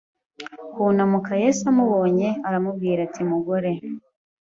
kunamuka Yesu amubonye aramubwira ati mugore